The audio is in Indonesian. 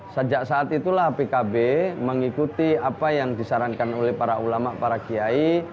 sejak saat itulah pkb mengikuti apa yang disarankan oleh para ulama para kiai